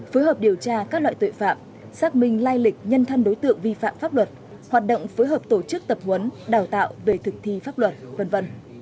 phối hợp điều tra các loại tội phạm xác minh lai lịch nhân thân đối tượng vi phạm pháp luật hoạt động phối hợp tổ chức tập huấn đào tạo về thực thi pháp luật v v